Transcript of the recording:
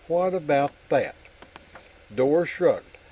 What about that?" Dor shrugged.